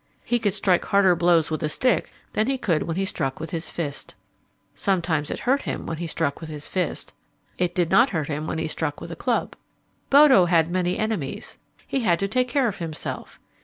He could strike harder blows with a stick than he could when he struck with his fist. Sometimes it hurt him when he struck with his fist. It did not hurt him when he struck with a club. Bodo had many enemies. He had to take care of himself.